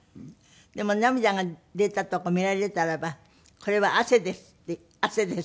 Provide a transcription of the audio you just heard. でも涙が出たとこ見られたらば「これは汗です」って「汗です」。